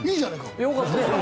よかった